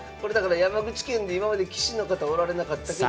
山口県で今まで棋士の方おられなかったけど。